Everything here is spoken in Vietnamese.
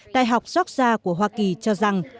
đại học georgia của hoa kỳ cho rằng